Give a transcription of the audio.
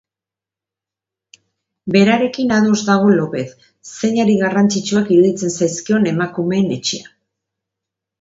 Berarekin ados dago Lopez, zeinari garrantzitsuak iruditzen zaizkion Emakumeen Etxeak.